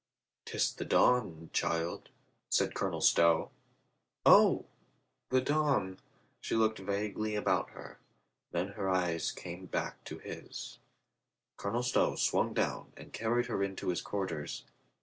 " 'Tis the dawn, child," said Colonel Stow. "O — the dawn —" she looked vaguely about her ; then her eyes came back to his. Colonel Stow swung down and carried her into his quarters.